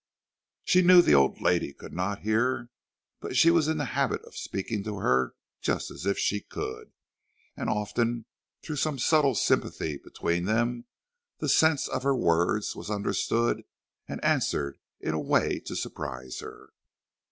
She knew the old lady could not hear, but she was in the habit of speaking to her just as if she could, and often through some subtle sympathy between them the sense of her words was understood and answered in a way to surprise her.